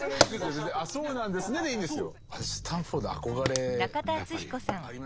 「あっそうなんですね」でいいんですよ。